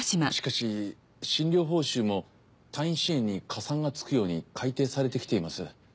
しかし診療報酬も退院支援に加算がつくように改定されてきています。